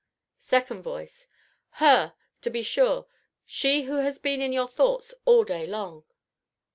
SECOND VOICE. Her! to be sure, she who has been in your thoughts all day long.